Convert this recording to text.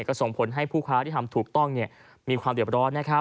ก็ส่งผลให้ผู้ค้าที่ทำถูกต้องมีความเดือบร้อน